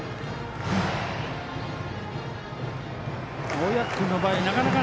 小宅君の場合、なかなか